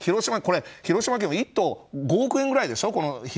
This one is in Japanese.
広島県１棟、５億円ぐらいでしょ。